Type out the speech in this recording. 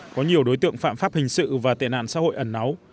có nhiều đối tượng phạm pháp hình sự và tệ nạn xã hội ẩn náu